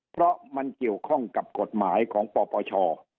เพราะมันเกี่ยวข้องกับกฎหมายของปปช